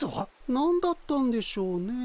何だったんでしょうねえ。